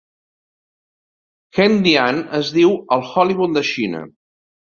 Hengdian es diu el "Hollywood de Xina".